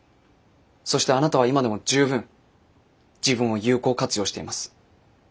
そしてあなたは今でも十分自分を有効活用しています。